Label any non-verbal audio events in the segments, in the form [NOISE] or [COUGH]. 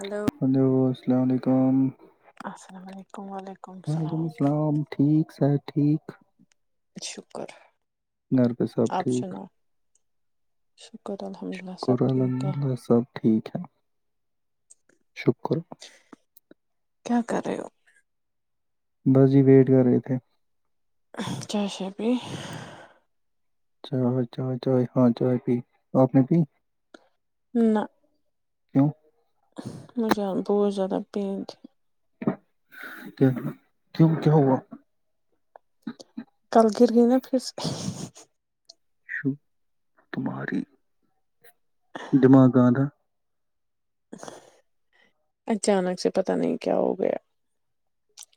Hello ان وہ [UNINTELLIGIBLE] السلام علیکم وعلیکم وعلیکم السلام ٹھیک س ٹھیک شکر گر پہ سب آپ ٹھیک سناؤ شکر الحمد للہ سب شکر ٹھیک ہے الحمد للہ سب ٹھیک ہے شکر کیا کر رہے ہو؟ بس جی ویٹ کر رہے تھے چاہشے بھی چ چ ہاں چائے پی آپ نے پی نہ کیوں مجھے بوھ زیادہ پینت کیوں کیا ہووگا کلگر گئی نا پھر سے [UNINTELLIGIBLE] ش تمہاری دماغ آ تھا اچانک سے پت نہیں کیا ہو گیا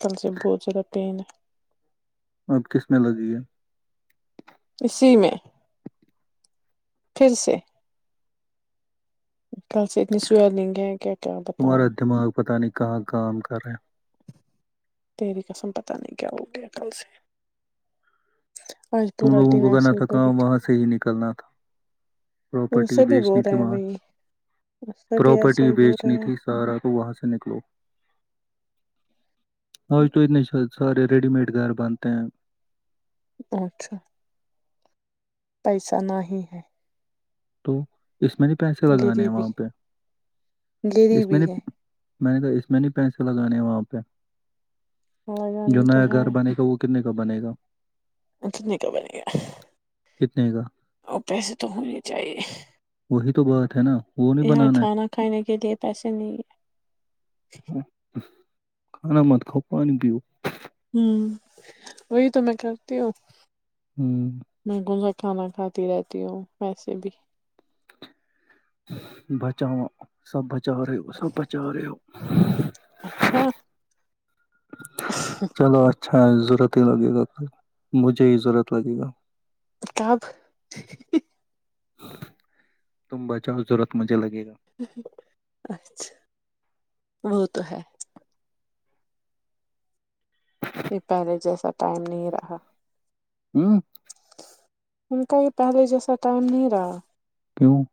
کل سے بہت زیادہ پین ہے اب کس میں لگی ہے اسی میں پھر سے کل سے اتنی سو لنگ ہے ہیں کیا کیا بتاؤں تمہارا دماغ پتہ نہیں کہاں کام کریں تیری قسم پتہ نہیں کیا ہوگیا کل سے؟ آج تم پورا لوگوں دن کو کرنا ایسے ہی تھا پڑی کام وہاں سے ہی نکلنا تھا تھی پراپرٹی سبھی بول بیچنی رہے تھی ہیں وہاں وہی سبھی ایسا پراپرٹی ہی بول رہے بیچنی تھی سارا تو وہاں سے نکلو ہو ہیں تو نہیں س سارے ریڈی میڈ گھر بنتے ہیں اچھا پیسہ نہ ہی ہے تو اس میں نہیں پیسے لگانے ہیں غریبی وہاں پہ اس میں غریبی ہے نہیں میں نے تو اس میں نہیں پیسے لگانے ہیں وہاں پہ ہمارے جو جانے نیا گھر بنے گا وہ کتنے بنے گا توتنے کا بنے گیا کتنے کا اور پیسے تو ہونے چاہے ی تو بہت ہے نا وہ نہیں یہاں بنانا کھانا کھانے کے لیئے پیسے نہیں ہیں [INAUDIBLE] ہے کھانا مت کاؤ پانی پیو ہوں وہی تو میں کرتی ہوں ہوں [UNINTELLIGIBLE] میں کون سا کھانا کھاتی رہتی ہوں ویسے بھی بچا سب بچ [UNINTELLIGIBLE] پہچا رہے ہو سب پچا رہے ہو اچھا [UNINTELLIGIBLE] چلو اچھا ضرورت ہی لگے گا مجھے ہی ضرورت لگے گا کتاب [UNINTELLIGIBLE] تم بچاؤ ضرورت مجھے لگے گا اچھا [UNINTELLIGIBLE] وہ تو ہے [UNINTELLIGIBLE] یہ پہلے جیسا ٹائم نہیں رہا ہوں [UNINTELLIGIBLE] ان کا یہ پہلے جیسا ٹائم نہیں رہا کیوں [UNINTELLIGIBLE]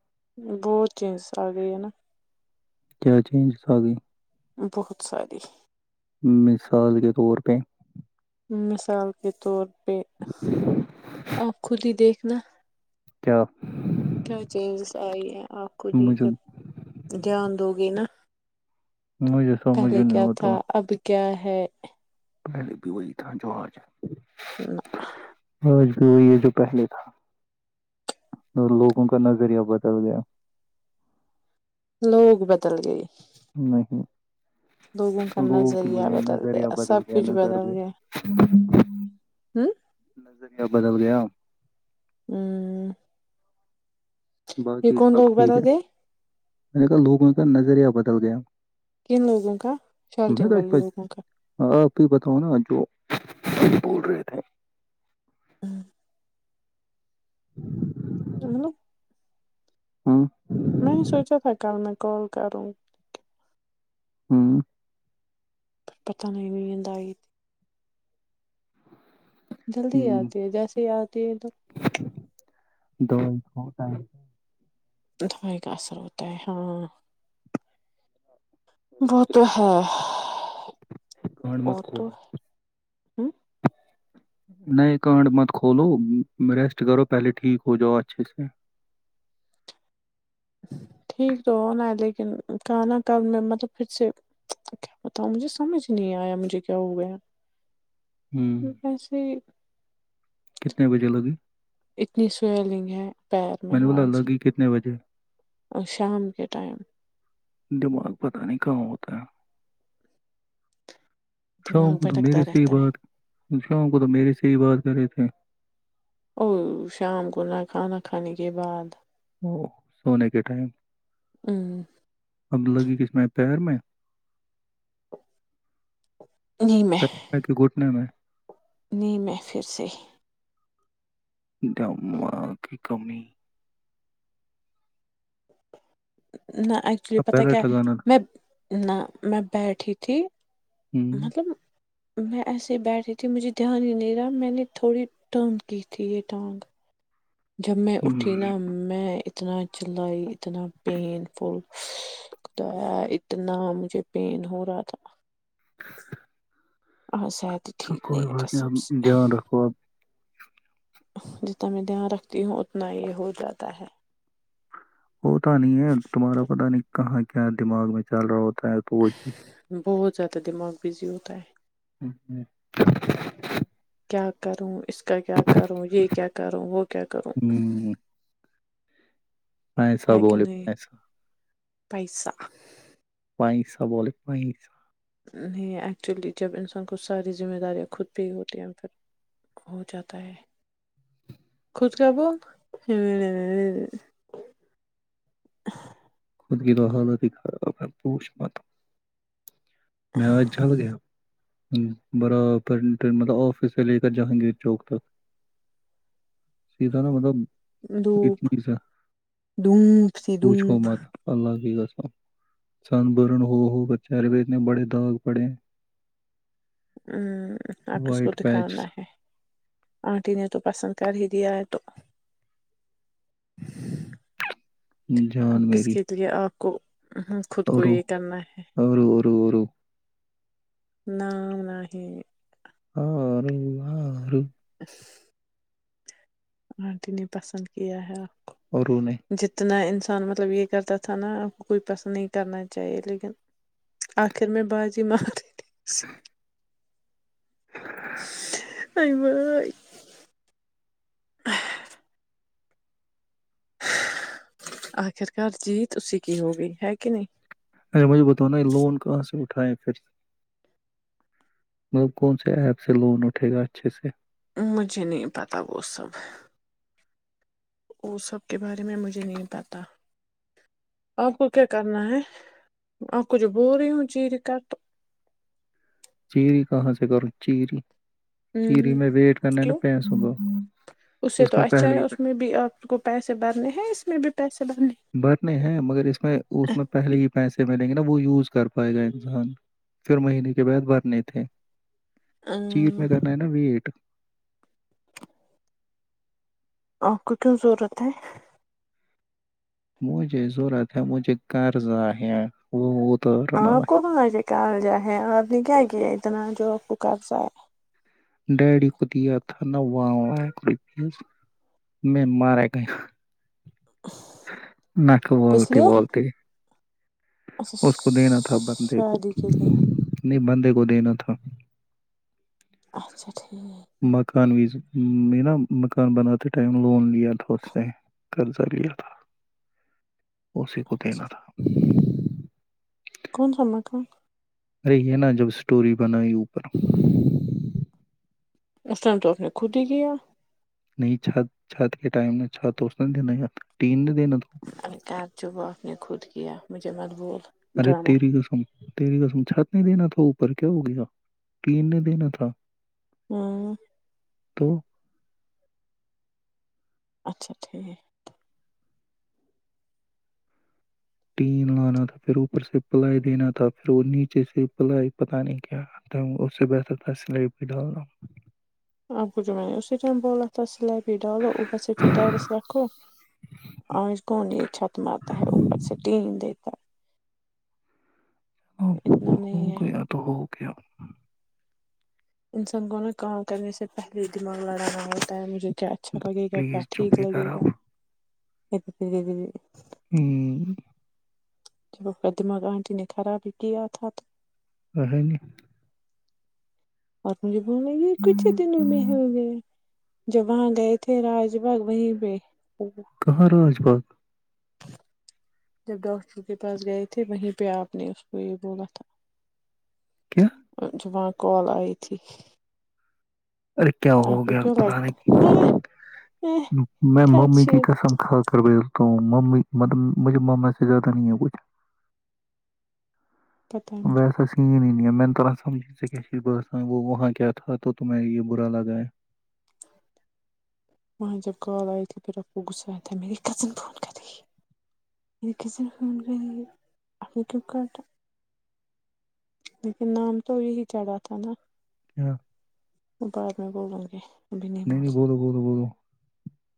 بہت چینجز آ گئے ہیں نا کیا چینج تھا آ گئی بہت ساری [UNINTELLIGIBLE] مثال کے طور پہ مثال کے طور پہ آپ خود ہی دیکھ [UNINTELLIGIBLE] نہ [UNINTELLIGIBLE] کیا [UNINTELLIGIBLE] توی ہے [UNINTELLIGIBLE] آپ خود ہی مجھے جب دھیان دو گے نا مجھے سمجھ پہلے نہیں کیا ہو تو تھا اب کیا ہے [UNINTELLIGIBLE] پل بھی وہی تھا جوہج ہ [INAUDIBLE] سج یہ جو پہلے تھا وہ لوگوں کا نظریہ بدل گیا لوگ بدل گئے نہیں کا لوگوں کی نظریہ بیا بدل نظریہ گیا بدل سب گیا کچھ نظر پ بدل گیا ہ نظرییا بدل گیا ہوں [UNINTELLIGIBLE] یہ باقی کون لوگ سب ٹھیک ہے بتاتے میں نے کہا لوگوں کا نظریہ بدل گیا کن لوگوں کا میں شالٹنگ والے تو لوگوں کا آپ ہی بتاؤں نا جو بول رہے تھے ہوں [INAUDIBLE] ہ [INAUDIBLE] ہ میں سوچا تھا کل میں کال کروں ہاں پتا نہیں، نیند آئی یا نہیں۔ جلدی ہ آتی ہے جیسے ہی آتی ہے تو د ہوٹا دوائی کا اثر ہوتا ہے ہاں وہ تو ہے گانڈ مت وہ کھو تو ہوں نہیں کانڈ مت کھولو ریسٹ کرو پہلے ٹھیک ہو جاؤ اچھے سے ٹھیک تو ہونا ہے لیکن کہنا کل میں مطلب پھر سے کیا بتاؤں مجھے سمجھ نہیں آیا مجھے کیا ہو گیا ہوں ایسے کتنے بجے لگی اتنی سولنگ ہے پیر میں نے بولا آج لگی کتنے بجے اور شام کے ٹائم دماغ پتہ نہیں کہاں ہوتا ہے دماغ شام کو تو وہ بھٹکتا رہتا ہے میرے ساتھ ہر بات کرتی تھی۔ اھ ا شام کو نہ کھان کھانے کے بعد او سونے کے ٹائم نہیں اب لگی کس میں پیر میں میں گھٹنے میں نہیں میں پھر سے دماغ کی کمی [INAUDIBLE] نہ ایکچولی اب پتہ کیا بیلٹ لگانا تھا میں نہ میں بیٹھی تھی ہوں مطلب میں ایسے ہی بیٹ رہی تھی مجھے دھیان ہی نہیں رہا میں نے تھوڑی ٹرم کی تھی یہ ٹانگ جب میں اٹھی نا ہوں میں اتنا چلائی اتنا پین فلتا اتنا مجھے پین ہو رہا تھا آ ص ہے تو ٹھیک نہیں کوئی ہے بات کسم سے اب دھیان رکھو اب جتنا میں دھیان رکھتی ہوں اتنا یہ ہو جاتا ہے وہتا نہیں ہے تمہارا پتتا نہیں کہاں کیا دماغ میں چل رہا ہوتا ط تو وہی بہت زیادہ دماغ بزی ہووتا ہیں ہ ہوں [UNINTELLIGIBLE] کیا کروں اس کل کیا کروں یہ کیا کروں وہ کیا کروں ہوں۔ پیسہ ہے کہ بولے نہیں پیسہ پیسہ پیسا بولے پیسہ نہیں ایکچولی جب انسان کو ساری ذمہ داریاں خود پہ ہی ہوتی ہیں پھر ہو جاتا ہے خود کا بو [UNINTELLIGIBLE] خود کی تو ہالت ہی خراب ہے پوش مت میں آج جل گیاہو بڑا [UNINTELLIGIBLE] پرٹ مطلب آفس سے لے کر جہانگیر چوک تک سیدھا نا مطلب دھوپ اتنی سا دھوپ سی پوچھو دھوپ مت اللہ کی قسم سن برن [UNINTELLIGIBLE] ہو ہو بچیا ر اتنے بڑے داغ پڑے ہوں آب کس کو وائٹ پیچ دکھانا ہے آنٹی نے تو پسند کر ہی دیا ہے تو جان اب کس میری کے لیے آپ کو [UNINTELLIGIBLE] خود اور کو یہ کرنا ہے اور اور اور نام نہیں ہ رو آارو [INAUDIBLE] آنٹی نے پسند کیا ہے اورو نے جتنا ان مطلب یہ کرتا تھا نا آپ کوئی پسند نہیں کرنا چاہیے لیکن آخر میں بازی مار ہی دی اس نے نہیںئی بئی [UNINTELLIGIBLE] آخر کرار جی توسی کی ہو گئی ہے کہ نہیں اے مجھے بتانا یہ لون کہاں سے اٹھائے پھر سے کون سے ایپ سے لون اٹھے گا اچھے سے مجھے نہیں پتا وہ سب وہ سب کے بارے میں مجھے نہیں پتا آپ کو کیا کرنا ہے آپ کو جو بول رہی ہوں چیر کا تو چیری کہاں سے کرو چیری ہ چیری میں ویٹ کرنا ہے نا کیوں پیسوں کا اسے اس تو میں اچھا پہلے ہے ہی اس میں بھی آپ کو پیسے بھرنے ہیں اس میں بھی پیسے بھرنے بٹنے ہیں مگر اس میں اس میں پہلے ہی پیسے ملیں گے وہ یوز کر پائے گا انسان پھر مہینے کے بعد بھرنے تھے چیر ہیں۔ میں کرنا ہے نا وٹ [INAUDIBLE] آپ کو کیوں ضرورت ہے؟ مجھے ضرورت ہے مجھے قرض ہے وہ اتارنا آپ کو وہاں آ کے کہال جا ہے آپ نے کیا کیا اتنا جو آپ کو قبضہ ہے ڈیڈی کو دیا تھا نا وہڑی پیز میں مارا گیا ن کو کس بولتی لیے بولتی اچھا اس کو دینا تھا بندے کو شادی کے لیے نہیں بندے کو کو دینا تھا اچھا اھ مکان وز یہ نا مکان بنات تو ائم لون لیا تو سے قرضہ لیا تھا اسی کو دینا تھا کون سا مکان ارے یہ نا جب اسٹوری بنئی اوپر اسٹرم تو آپ نے خود ہی کیا نہیں چھت چھت کے ٹائم میں چھت اس نے د ین ت چب آپ نے خود کیا مجھے مقبوف ارے تیری توسم تیری قسم چھت نہیں دینا تھا اوپر کیا ہو گیا تین نہیں دینا تھا ہاں تو اچھا ٹھیک ہے ٹین لانا تھا پھر اوپر سے پلائی دینا تھا پھر وہ نیچے سے پلائی پتہ نہیں کیا آتا اس سے بہتر تھا سلیب بھی ڈالنا آپ کو جو میں نے اسی ٹائم بولا تھا سلیٹ پھر ڈالو اوپر سے پھر ٹائیرس رکھو آنچ کو نہیں چھت مارتا ہے اوپر سے ٹین دیتا ہے ہ ہے اتنا ہو نہیں ہے گیا تو ہو گیا انسان کو نہ کام کرنے سے پہلے ہی دماغ لڑانا ہوتا ہے مجھے کیا اچھا لگے گا کیا پلیز چپ ٹھیک ہی کر لگے آپ گا ایک ت ہوں ج قدمہ آنٹی نے کڑا بھی کیا تھا تو رہ نہیں اور تمجے ہمے کچھ دنوں میں نہیں ہو گے جب وہاں گئے تھے راج باگ وہیں پہ کہاں راج باغ جب ڈاکٹر کے پاس گئے تھے وہیں پہ آپ نے اس کو یہ بولا تھا کیا اچ جو وہاں کال آئی تھی ارے کیا ہو آپ کو گیا کیوں بت نہیںے کی لگتا میں ممی کی ہے کسم کھا کر ب تو م مطلب مجھے مما سے زیادہ نہیں ہے کچھ پتا ہے مجھے ویسا سین ہی نہیں میں نے توا سمجھ سے ب وہ وہاں کیا تھا تو تمہ یہ برا لگا ہے وہاں جب کال آئی تھی پھر آپ کو غسا آیا تھا میری کزن فون کر رہی ہے میری کزن فون کر رہی ہے آ نے کیوں کاٹا لیکن نام تو یہی چڑھا تھا نا بعد میں بولوں گی ابھی نہیں بول نہیں سکتے، بولو بولو بولو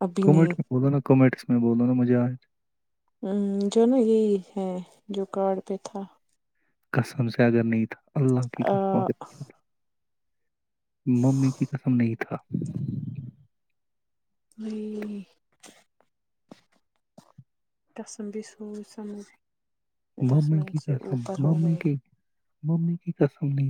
ابھی کومنٹ میں بولو نا کومنٹس میں بولو نا مجے آج ہ جو نا یہی ہے جو کارڈ پہ تھا کسم سے اگر نہیں تھا اللہ کی کا آ ممی کی قسم نہیں تھا قسم بھی سوچ سمھ مامے کی کر سم مامے کی ممی کی کسل نہیں